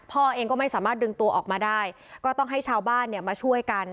พ่อเองก็ไม่สามารถดึงตัวออกมาได้ก็ต้องให้ชาวบ้านเนี่ยมาช่วยกัน